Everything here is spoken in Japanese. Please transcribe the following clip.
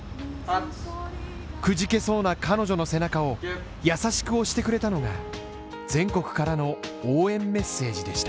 くじけそうな彼女の背中を優しく押してくれたのが、全国からの応援メッセージでした。